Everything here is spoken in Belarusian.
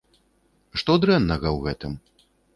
Што дрэннага ў гэтым?